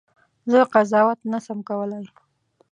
زه قضاوت نه سم کولای.